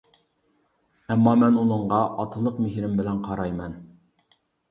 ئەمما مەن ئۇنىڭغا ئاتىلىق مېھرىم بىلەن قارايمەن.